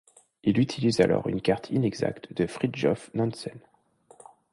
Il utilise alors une carte inexacte de Fridtjof Nansen.